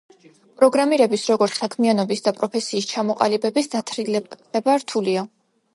პროგრამირების როგორც საქმიანობის და პროფესიის ჩამოყალიბების დათარიღება რთულია.